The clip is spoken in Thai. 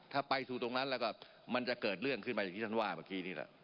ถ้าไปสู่ตรงนั้นแล้วก็มันจะเกิดเรื่องขึ้นมาอย่างที่ท่านว่าเมื่อกี้นี่แหละ